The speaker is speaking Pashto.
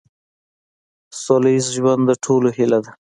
سوله ایز ژوند د ټولو هیله ده.